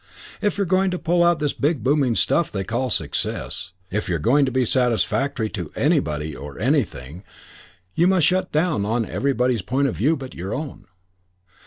If you're going to pull out this big booming stuff they call success, if you're going to be satisfactory to anybody or to anything, you must shut down on everybody's point of view but your own.